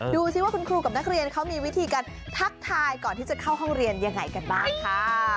ดูสิว่าคุณครูกับนักเรียนเขามีวิธีการทักทายก่อนที่จะเข้าห้องเรียนยังไงกันบ้างค่ะ